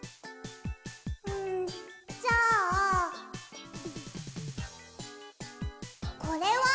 んじゃあこれは？